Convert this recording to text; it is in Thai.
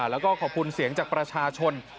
แล้วก็ขอบคุณเสียงจากประชาชน